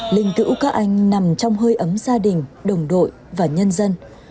linh cữu các anh nằm trong hơi ấm gia đình đồng đội và nhân dân